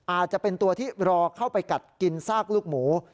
อาจจะเป็นตัวที่รอเข้าไปกัดกินซากลูกหมู